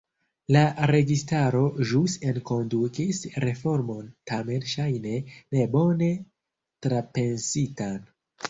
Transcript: La registaro ĵus enkondukis reformon, tamen ŝajne ne bone trapensitan.